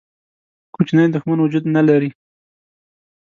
کوچنی دښمن وجود نه لري.